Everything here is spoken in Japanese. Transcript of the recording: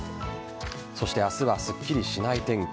そして明日はすっきりしない天気。